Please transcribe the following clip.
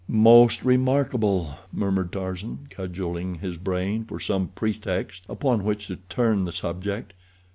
"Most remarkable," murmured Tarzan, cudgeling his brain for some pretext upon which to turn the subject.